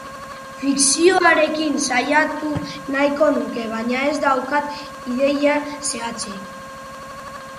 Fikzioarekin saiatu nahiko nuke, baina ez daukat ideia zehatzik.